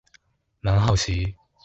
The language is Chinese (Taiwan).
蠻好奇